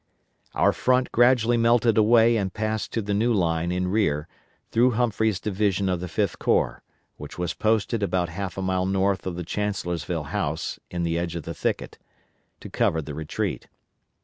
Our front gradually melted away and passed to the new line in rear through Humphrey's division of the Fifth Corps, which was posted about half a mile north of the Chancellorsville House in the edge of the thicket, to cover the retreat.